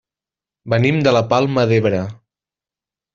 Venim de la Palma d'Ebre.